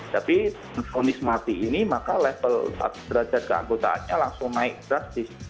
tapi fonis mati ini maka level derajat keanggotaannya langsung naik drastis